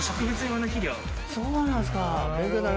そうなんですか。